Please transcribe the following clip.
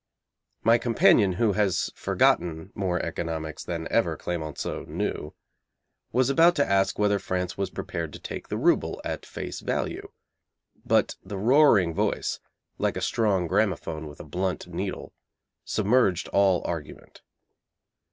My companion, who has forgotten more economics than ever Clemenceau knew, was about to ask whether France was prepared to take the rouble at face value, but the roaring voice, like a strong gramophone with a blunt needle, submerged all argument.